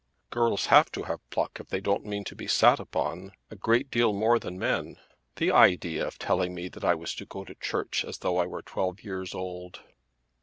"Girls have to have pluck if they don't mean to be sat upon; a great deal more than men. The idea of telling me that I was to go to church as though I were twelve years old!"